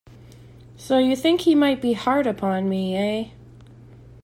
So you think he might be hard upon me, eh?